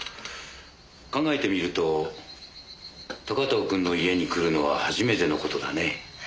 考えてみると高塔君の家に来るのは初めての事だね。